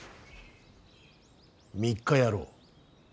３日やろう。